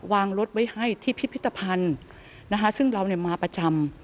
วางรถไว้ให้ที่พิพิธภัณฑ์นะคะซึ่งเราเนี่ยมาประจำ